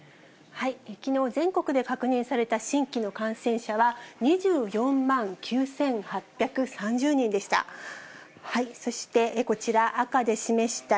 きのう全国で確認された新規の感染者は２４万９８３０人でした。